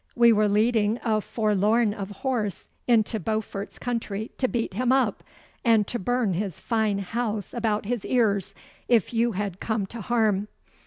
'We were leading a forlorn of horse into Beaufort's country to beat him up, and to burn his fine house about his ears if you had come to harm.